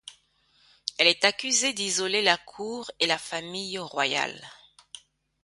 Elle est accusée d'isoler la Cour et la famille royale.